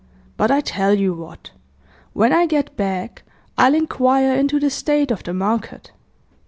But I tell you what; when I get back, I'll inquire into the state of the market.